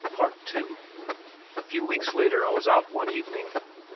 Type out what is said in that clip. Part II A few weeks later I was out one evening.